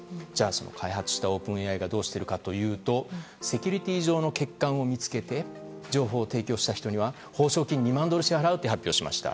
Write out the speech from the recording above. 開発したオープンＡＩはどうしているかというとセキュリティー上の欠陥を見つけ情報を提供した人には報奨金２万ドルを支払うと発表しました。